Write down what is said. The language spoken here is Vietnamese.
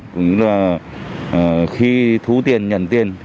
ví dụ như là khi thu tiền nhận tiền